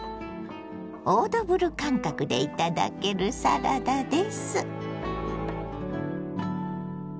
オードブル感覚で頂けるサラダです。